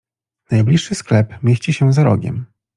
Najbliższy sklep mieści się za rogiem.